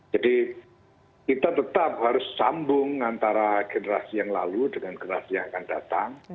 jadi kita tetap harus sambung antara generasi yang lalu dengan generasi yang akan datang